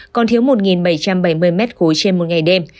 còn thiếu một bảy trăm bảy mươi m ba trên một ngày đêm